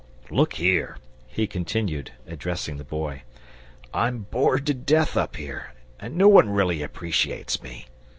Look here," he continued, addressing the Boy, "I'm bored to death up here, and no one really appreciates me.